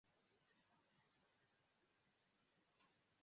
Tiu rekto kiu enhavas la fonton estas la "nula" rekto.